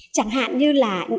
chẳng hạn như là